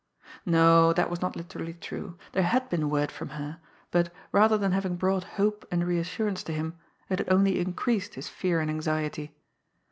No, that was not literally true. There had been word from her; but, rather than having brought hope and reassurance to him, it had only increased his fear and anxiety.